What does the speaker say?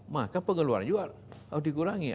maka pengeluaran juga harus dikurangi